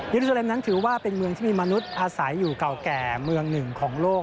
โซเลมนั้นถือว่าเป็นเมืองที่มีมนุษย์อาศัยอยู่เก่าแก่เมืองหนึ่งของโลก